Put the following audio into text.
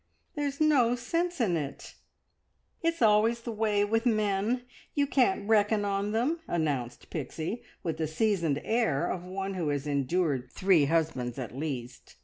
There's no sense in it!" "It's always the way with men. You can't reckon on them," announced Pixie, with the seasoned air of one who has endured three husbands at least.